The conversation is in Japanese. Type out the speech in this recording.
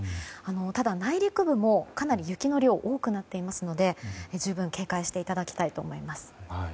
ただ、内陸部もかなり雪の量が多くなっていますので十分警戒していただきたいと思います。